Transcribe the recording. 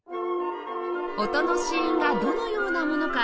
音の子音がどのようなものか